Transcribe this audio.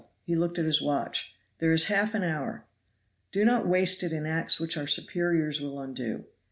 He looked at his watch. "There is half an hour. Do not waste it in acts which our superiors will undo.